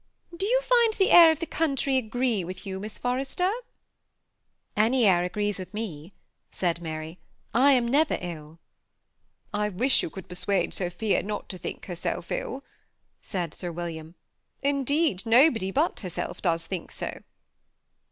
Do you find the air of this county agree with you, Miss For rester?" " Any air agrees with me," said Mary ; "I am never ilL" 244 THE SE!])a*A1TAGHSD GOUPLB,* ^ I wish you could persuade Sophia not to think her self ill," said Sir William ;" indeed, nobody but her self does think so."